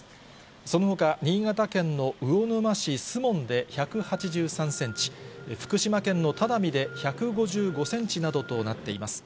そのほか新潟県の魚沼市守門で１８３センチ、福島県の只見で１５５センチなどとなっています。